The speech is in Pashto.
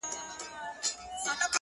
ه ياره د څراغ د مــړه كولو پــه نـيت.!